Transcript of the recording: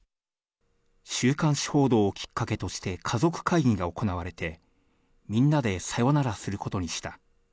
週刊誌報道をきっかけとして、家族会議が行われて、みんなでさよならすることにした。